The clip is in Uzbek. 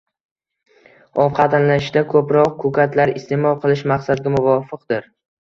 Ovqatlanishda ko‘proq ko‘katlar iste’mol qilish maqsadga muvofiqdir.